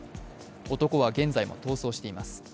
男は現在も逃走しています。